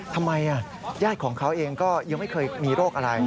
ทำไมญาติของเขาเองก็ยังไม่เคยมีโรคอะไร